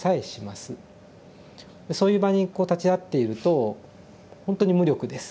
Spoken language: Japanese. そういう場にこう立ち会っているとほんとに無力です